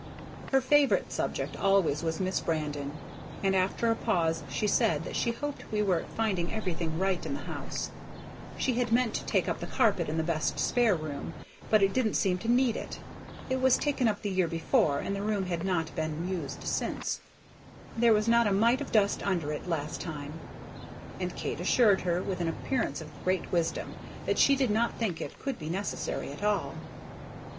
Her favorite subject always was Miss Brandon, and after a pause she said that she hoped we were finding everything right in the house; she had meant to take up the carpet in the best spare room, but it didn't seem to need it; it was taken up the year before, and the room had not been used since, there was not a mite of dust under it last time. And Kate assured her, with an appearance of great wisdom, that she did not think it could be necessary at all.